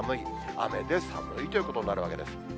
雨で寒いということになるわけです。